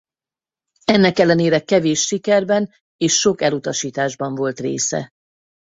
Ennek ellenére kevés sikerben és sok elutasításban volt része.